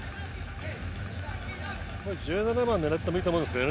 １７番狙ってもいいと思うんですよね。